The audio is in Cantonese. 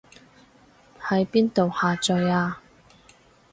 喺邊度下載啊